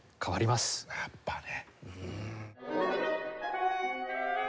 やっぱりね。